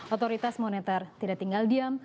otoritas moneter tidak tinggal diam